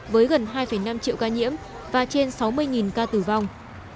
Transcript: với gần hai năm triệu ca nhiễm và trên sáu mươi ca tử vong